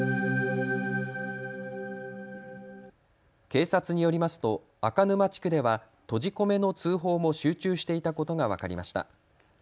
警察によりますと赤沼地区では閉じ込めの通報も集中していたことが分かりました。